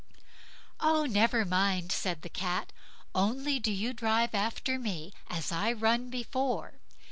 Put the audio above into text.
"Oh! never mind", said the Cat; "only do you drive after me as I run before."